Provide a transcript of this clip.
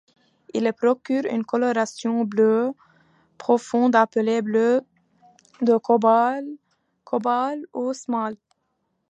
Il procure une coloration bleue profonde appelée bleu de cobalt ou smalt.